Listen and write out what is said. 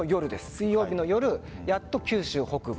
水曜日の夜、やっと九州北部。